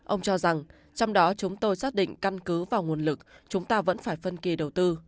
ông cho rằng trong đó chúng tôi xác định căn cứ vào nguồn lực chúng ta vẫn phải phân kỳ đầu tư